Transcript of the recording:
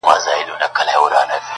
په ښاديو نعمتونو يې زړه ښاد وو-